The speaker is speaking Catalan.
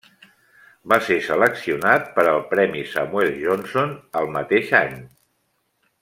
Va ser seleccionat per al Premi Samuel Johnson el mateix any.